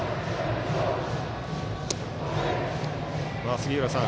杉浦さん